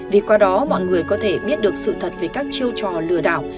vì qua đó mọi người có thể biết được sự thật về các chiêu trò lừa đảo